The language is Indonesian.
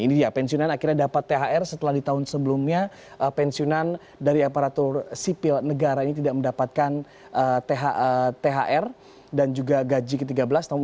ini dia pensiunan akhirnya dapat thr setelah di tahun sebelumnya pensiunan dari aparatur sipil negara ini tidak mendapatkan thr dan juga gaji ke tiga belas